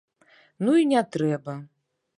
Ну і не трэба!